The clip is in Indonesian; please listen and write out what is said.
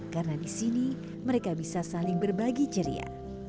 karena di sini mereka bisa saling berbagi ceria